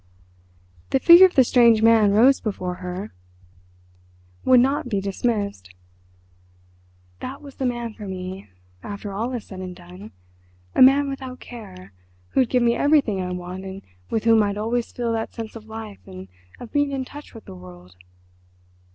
The figure of the strange man rose before her—would not be dismissed. "That was the man for me, after all is said and done—a man without a care—who'd give me everything I want and with whom I'd always feel that sense of life and of being in touch with the world.